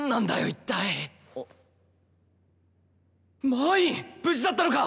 マイン無事だったのか！